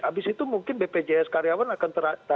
abis itu mungkin bpjs karyawan akan terakhir